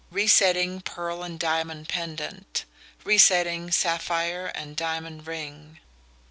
"Resetting pearl and diamond pendant. Resetting sapphire and diamond ring."